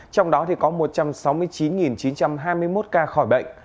trong đó có một trăm sáu mươi chín chín trăm hai mươi một ca khỏi bệnh